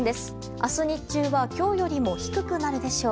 明日日中は今日よりも低くなるでしょう。